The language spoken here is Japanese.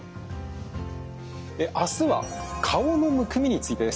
あすは顔のむくみについてです。